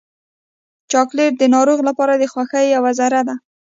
چاکلېټ د ناروغ لپاره د خوښۍ یوه ذره ده.